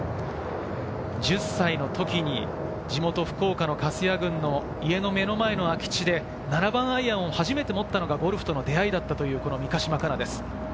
１０歳の時に地元・福岡の糟谷郡の家の目の前の空き地で７番アイアンを初めて持ったのがゴルフとの出合いだったという三ヶ島かなです。